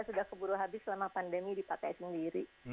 sudah keburu habis selama pandemi dipakai sendiri